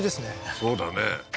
そうだね